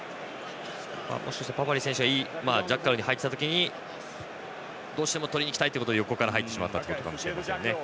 もしかしたらパパリイ選手がジャッカルに入った時にどうしてもとりにいきたいということで横から入ったかもしれません。